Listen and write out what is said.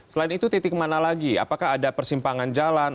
selain itu titik mana lagi apakah ada persimpangan jalan